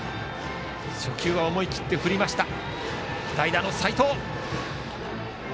初球は思い切って振った代打、齋藤。